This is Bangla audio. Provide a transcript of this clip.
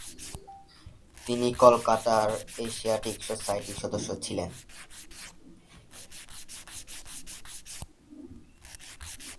তিনি কলকাতার এশিয়াটিক সোসাইটির সদস্য ছিলেন।